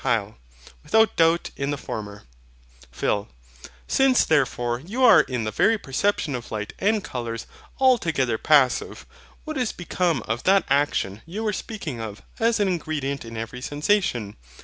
HYL. Without doubt, in the former. PHIL. Since therefore you are in the very perception of light and colours altogether passive, what is become of that action you were speaking of as an ingredient in every sensation?